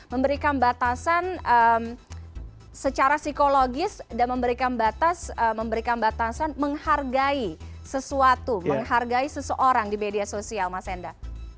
memberikan batasan secara psikologis dan memberikan batasan menghargai sesuatu menghargai seseorang di media sosial mas enda